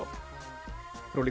roli kurniawan sumatera utara